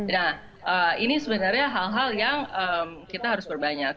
nah ini sebenarnya hal hal yang kita harus perbanyak